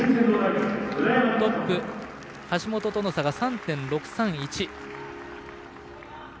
トップ、橋本との差が３．６３１。